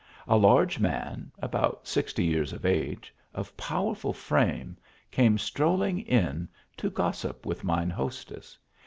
A large man, about sixty years of age, of powerful frame, came strolling in, to gossip with THE JOURNEY. 25 mine hostess.